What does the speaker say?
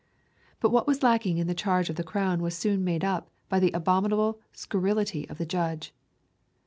But what was lacking in the charge of the crown was soon made up by the abominable scurrility of the judge.